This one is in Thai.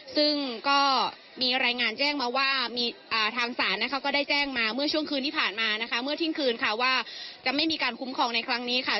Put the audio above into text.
ซึ่งก็มีรายงานแจ้งมาว่ามีทางศาลนะคะก็ได้แจ้งมาเมื่อช่วงคืนที่ผ่านมานะคะเมื่อเที่ยงคืนค่ะว่าจะไม่มีการคุ้มครองในครั้งนี้ค่ะ